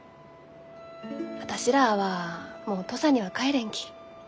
私らあはもう土佐には帰れんき。